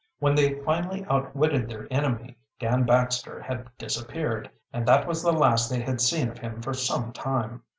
When they finally outwitted their enemy, Dan Baxter had disappeared, and that was the last they had seen of him for some time.